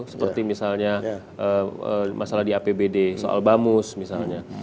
seperti misalnya masalah di apbd soal bamus misalnya